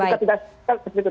kita tidak setuju